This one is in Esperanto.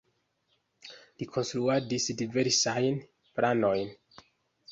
Li konstruadis diversajn planojn.